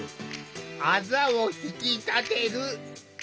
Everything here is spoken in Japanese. あざを引き立てる。